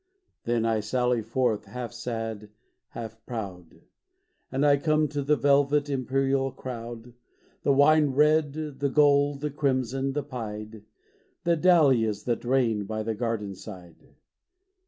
Then, I sally forth, half sad, half proud, And I come to the velvet, imperial crowd, The wine red, the gold, the crimson, the pied,—The dahlias that reign by the garden side.